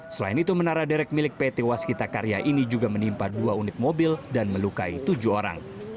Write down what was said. selain itu menara derek milik pt waskita karya ini juga menimpa dua unit mobil dan melukai tujuh orang